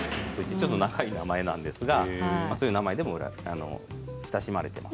ちょっと長い名前なんですけれどそういう名前でも親しまれています。